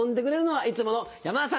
はい。